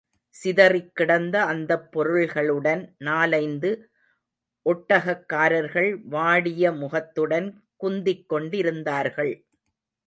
சிதறிக் கிடந்த அந்தப் பொருள்களுடன் நாலைந்து ஒட்டகக்காரர்கள் வாடிய முகத்துடன் குந்திக்கொண்டிருந்தார்கள்.